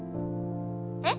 え？